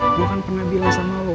gue kan pernah bilang sama lo